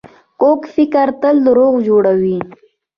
کوږ فکر تل دروغ جوړوي